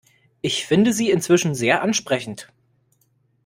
Ich finde sie inzwischen sehr ansprechend.